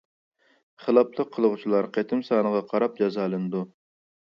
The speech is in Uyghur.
خىلاپلىق قىلغۇچىلار قېتىم سانىغا قاراپ جازالىنىدۇ.